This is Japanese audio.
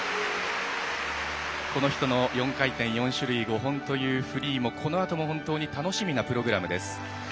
この人の４回転４種類５本というフリーも、このあとも本当に楽しみなプログラムです。